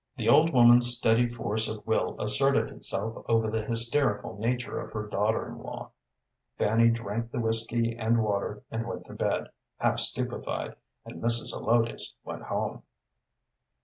The old woman's steady force of will asserted itself over the hysterical nature of her daughter in law. Fanny drank the whiskey and water and went to bed, half stupefied, and Mrs. Zelotes went home.